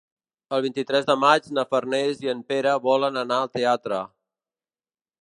El vint-i-tres de maig na Farners i en Pere volen anar al teatre.